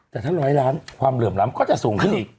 แต่ถ้าร้อยล้านความเหลื่อมล้ำก็จะสูงขึ้นอีก